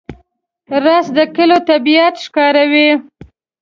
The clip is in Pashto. رس د کلیو طبیعت ښکاروي